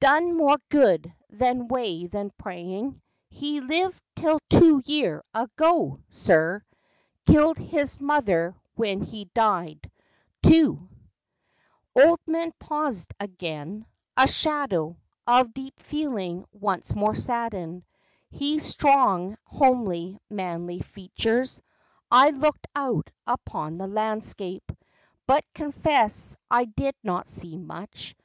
Done more good that way than prayin'. He lived till two year ago, sir; Killed his mother when he died, too." 4 8 FACTS AND FANCIES. Old man paused again. A shadow Of deep feeling once more saddened His strong, homely, manly, features. I looked out upon the landscape, But confess I did not see much.